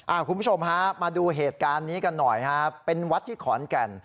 คุณผู้ชมฮะมาดูเหตุการณ์นี้กันหน่อยฮะเป็นวัดที่ขอนแก่น